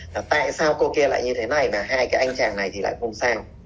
tại sao cô kia lại như thế này mà hai cái anh chàng này thì lại không sao